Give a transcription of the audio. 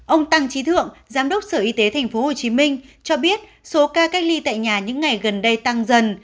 ông tăng trí thượng giám đốc sở y tế tp hcm cho biết số ca cách ly tại nhà những ngày gần đây tăng dần